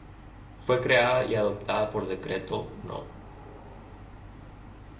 Fue creada y adoptada por decreto No.